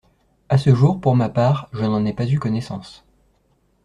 À ce jour, pour ma part, je n’en ai pas eu connaissance.